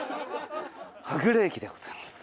波久礼駅でございます。